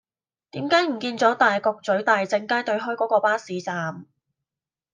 點解唔見左大角咀大政街對開嗰個巴士站